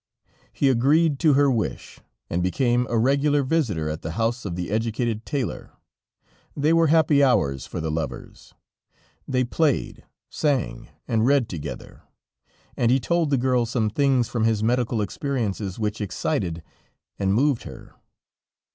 He agreed to her wish, and became a regular visitor at the house of the educated tailor; they were happy hours for the lovers; they played, sang and read together, and he told the girl some things from his medical experiences, which excited and moved her.